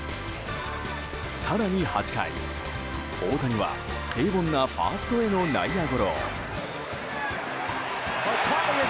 更に８回、大谷は平凡なファーストへの内野ゴロを。